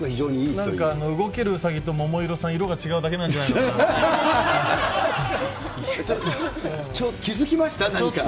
なんか動けるウサギと、桃色さん、色が違うだけなんじゃちょっと気付きました？